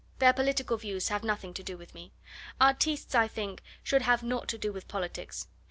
Their political views have nothing to do with me. Artistes, I think, should have naught to do with politics.